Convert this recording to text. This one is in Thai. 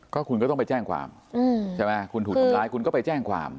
ก็คุณก็ต้องไปแจ้งความใช่ไหมคุณถูกทำร้ายคุณก็ไปแจ้งความ